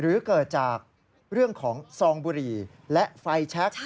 หรือเกิดจากเรื่องของซองบุหรี่และไฟแชค